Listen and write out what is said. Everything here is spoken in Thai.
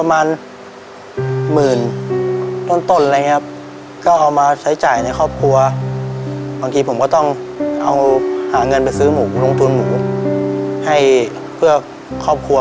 มันเป็นแค่อารมณ์ชั่วชั่วหนึ่งค่ะ